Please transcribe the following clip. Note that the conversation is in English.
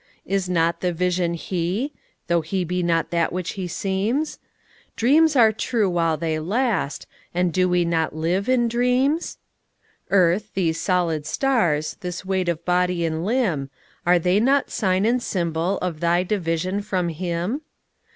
Is not the Vision He? tho' He be not that which He seems? Dreams are true while they last, and do we not live in dreams? Earth, these solid stars, this weight of body and limb, Are they not sign and symbol of thy division from Him?